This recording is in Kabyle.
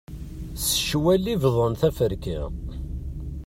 S ccwal i bḍan taferka.